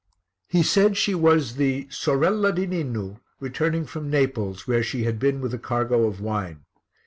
He said she was the Sorella di Ninu, returning from Naples, where she had been with a cargo of wine.